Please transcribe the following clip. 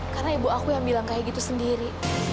karena ibu aku yang bilang kayak gitu sendiri